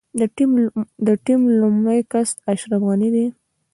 د ټيم لومړی کس اشرف غني دی.